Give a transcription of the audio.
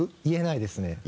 言えないですね。